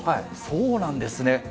そうなんですね。